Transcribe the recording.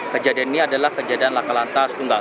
kejadian ini adalah kejadian lakalantas tunggal